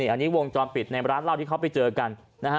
อันนี้วงจอมปิดในร้านเล่าที่เขาไปเจอกัน